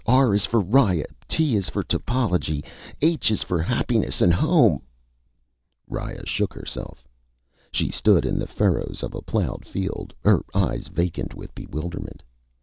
_ R is for Riya! T is for Topology! H is for happiness and home! Riya shook herself. She stood in the furrows of a plowed field, her eyes vacant with bewilderment.